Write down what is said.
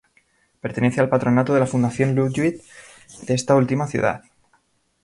Pertenece al patronato de la Fundación Ludwig de esta última ciudad.